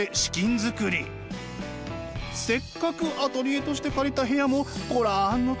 せっかくアトリエとして借りた部屋も御覧のとおり。